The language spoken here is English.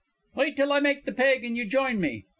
"Wait till I make the peg and you join me.